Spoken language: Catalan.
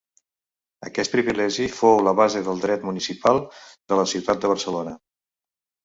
Aquest privilegi fou la base del dret municipal de la ciutat de Barcelona.